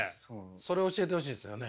それを教えてほしいですよね。